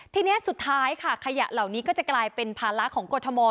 ทีนี้สุดท้ายค่ะขยะเหล่านี้ก็จะกลายเป็นภาระของกรทม